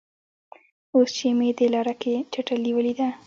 اوس چې مې دې لاره کې چټلي ولیده.